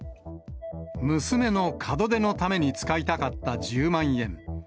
娘の門出のために使いたかった１０万円。